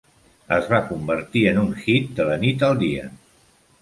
Es va convertir en un hit de la nit al dia.